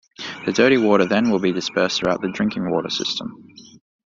The dirty water then will be dispersed throughout the drinking water system.